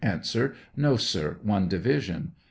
No, sir ; one division.